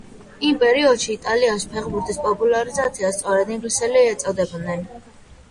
იმ პერიოდში იტალიაში ფეხბურთის პოპულარიზაციას სწორედ ინგლისელები ეწეოდნენ.